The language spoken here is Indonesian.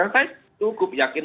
saya cukup yakin